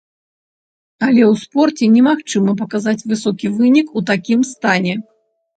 Але ў спорце немагчыма паказаць высокі вынік у такім стане.